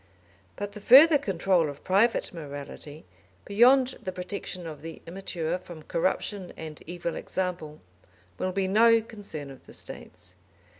But the further control of private morality, beyond the protection of the immature from corruption and evil example, will be no concern of the State's.